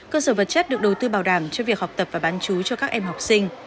cơ sở vật chất được đầu tư bảo đảm cho việc học tập và bán chú cho các em học sinh